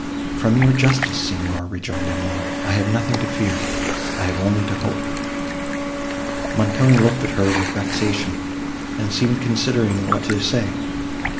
"From your justice, Signor," rejoined Emily, "I have nothing to fear—I have only to hope." Montoni looked at her with vexation, and seemed considering what to say.